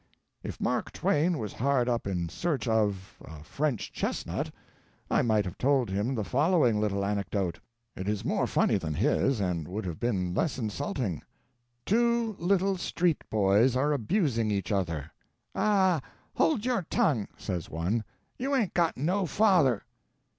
If Mark Twain was hard up in search of, a French "chestnut," I might have told him the following little anecdote. It is more funny than his, and would have been less insulting: Two little street boys are abusing each other. "Ah, hold your tongue," says one, "you ain't got no father."